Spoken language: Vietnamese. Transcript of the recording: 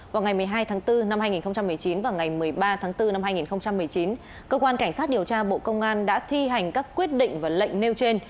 vào ngày một mươi hai tháng bốn năm hai nghìn một mươi chín và ngày một mươi ba tháng bốn năm hai nghìn một mươi chín cơ quan cảnh sát điều tra bộ công an đã thi hành các quyết định và lệnh nêu trên